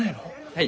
はい。